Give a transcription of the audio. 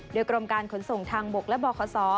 โดยกรมการขนส่งทางบกและบข